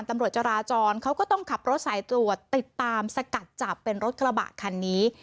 ตำรวจจราจรเขาก็ต้องขับรถสายตรวจติดตามสกัดจับเป็นรถกระบะคันนี้